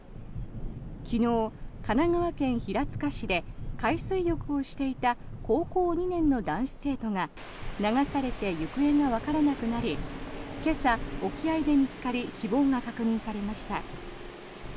昨日、神奈川県平塚市で海水浴をしていた高校２年の男子生徒が流されて行方がわからなくなり今朝、沖合で見つかり死亡が確認されました。